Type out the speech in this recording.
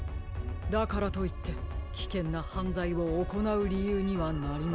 だからといってきけんなはんざいをおこなうりゆうにはなりませんよ。